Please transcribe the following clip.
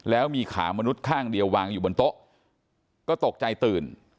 แล้วมีขามนุษย์ข้างเดียววางอยู่บนโต๊ะก็ตกใจตื่น